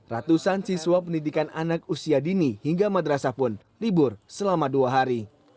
ratusan siswa pendidikan anak usia dini hingga madrasah pun libur selama dua hari